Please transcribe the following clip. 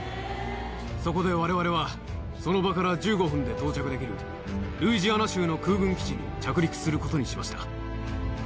そこでわれわれは、その場から１５分で到着できるルイジアナ州の空軍基地に着陸することにしました。